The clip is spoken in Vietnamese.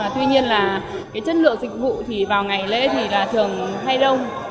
tuy nhiên là cái chất lượng dịch vụ thì vào ngày lễ thì là thường hay đông